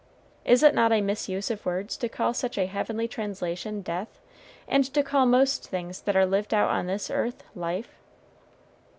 Is it not a misuse of words to call such a heavenly translation death? and to call most things that are lived out on this earth life?